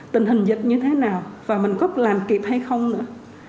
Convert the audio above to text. tình hình dịch như thế nào và mình có làm kịp hay không nữa